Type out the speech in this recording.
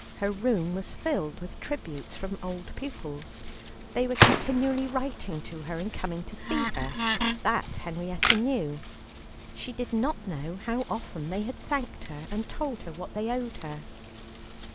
Her room was filled with tributes from old pupils, they were continually writing to her and coming to see her, that Henrietta knew; she did not know how often they had thanked her, and told her what they owed her.